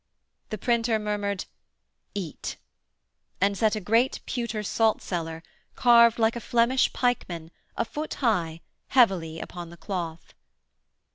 The printer murmured 'Eat,' and set a great pewter salt cellar, carved like a Flemish pikeman, a foot high, heavily upon the cloth.